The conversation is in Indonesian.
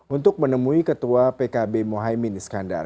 untuk menemui ketua pkb mohaimin iskandar